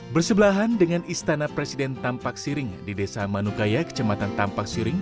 bersebelahan dengan istana presiden tampak siring di desa manugaya kecamatan tampak siring